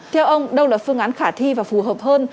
theo ông đâu là phương án khả thi và phù hợp hơn